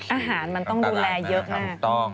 อาหารมันต้องดูแลเยอะมาก